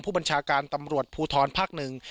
ผู้บัญชาการตำรวจภูทรภาคหนึ่ง